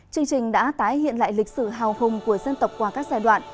chương trình đã tái hiện lại lịch sử hào hùng của dân tộc qua các giai đoạn